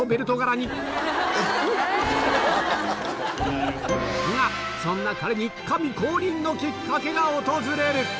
んがそんな彼にのきっかけが訪れる！